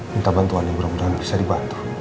minta bantuan yang mudah mudahan bisa dibantu